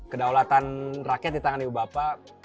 kedaulatan rakyat di tangan ibu bapak